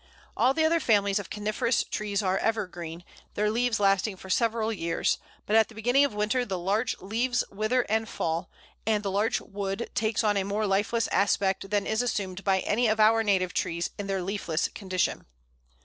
All the other families of Coniferous trees are evergreen, their leaves lasting for several years; but at the beginning of winter the Larch leaves wither and fall, and the Larch wood takes on a more lifeless aspect than is assumed by any of our native trees in their leafless condition.